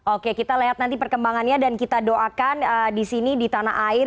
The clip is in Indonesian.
oke kita lihat nanti perkembangannya dan kita doakan di sini di tanah air